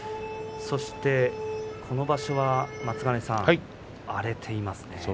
そして、この場所は松ヶ根さん、荒れていますね。